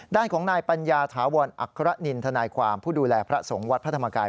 ด้านของนายปัญญาถาวรอัครนินทนายความผู้ดูแลพระสงฆ์วัดพระธรรมกาย